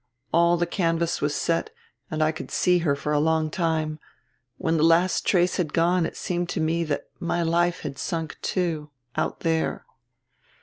All the canvas was set and I could see her for a long time. When the last trace had gone it seemed to me that my life had sunk too ... out there."